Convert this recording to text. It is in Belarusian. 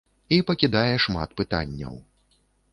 І пакідае шмат пытанняў.